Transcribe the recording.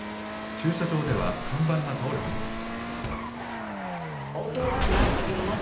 駐車場では看板が倒れています。